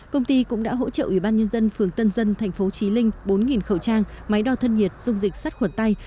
công ty cũng đã hỗ trợ ủy ban nhân dân phường tân dân thành phố trí linh bốn khẩu trang máy đo thân nhiệt dung dịch sát khuẩn tay